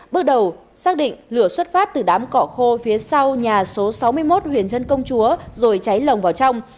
bước đầu xác định lửa xuất phát từ đám cỏ khô phía sau nhà số sáu mươi một huyền trân công chúa rồi cháy lồng vào trong